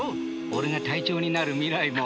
俺が隊長になる未来も。